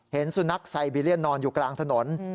สุนัขไซบีเรียนนอนอยู่กลางถนน